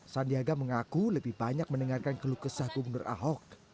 sandiaga mengaku lebih banyak mendengarkan kelukesan gubernur ahok